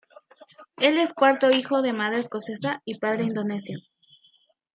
Él es el cuarto hijo de madre escocesa y padre indonesio.